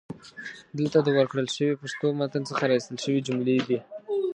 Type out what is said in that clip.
دلته د ورکړل شوي پښتو متن څخه را ایستل شوي جملې دي: